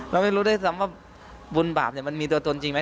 เราไม่รู้ด้วยซ้ำว่าบุญบาปมันมีตัวตนจริงไหม